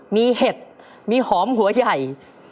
มีเห็ดมีหอมหัวใหญ่